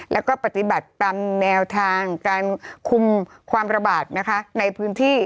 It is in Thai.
แล้วก็ปฏิบัติตามแนวทางการคุมความระบาดนะคะในพื้นที่